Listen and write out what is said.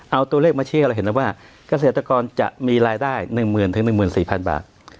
เอาตัวเลขมาเชื่อเราเห็นแล้วว่าเกษตรกรจะมีรายได้หนึ่งหมื่นถึงหนึ่งหมื่นสี่พันบาท